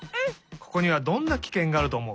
ここにはどんなきけんがあるとおもう？